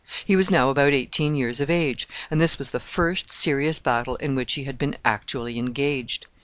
He was now about eighteen years of age, and this was the first serious battle in which he had been actually engaged.